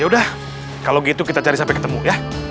ya udah kalau gitu kita cari sampai ketemu ya